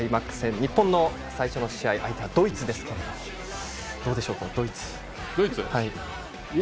日本の最初の試合相手はドイツですけどもどうでしょう、ドイツ。